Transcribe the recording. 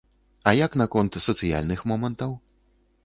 А як наконт сацыяльных момантаў?